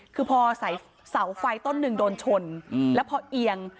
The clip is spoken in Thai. คือพอเสาไฟต้นหนึ่งโดนชนแล้วพอเอียง